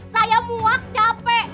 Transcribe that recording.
saya muak capek